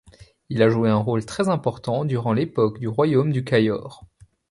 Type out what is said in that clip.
Il a joué un rôle très important durant l'époque du royaume du Cayor.